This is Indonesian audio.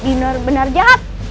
dia sangat tekap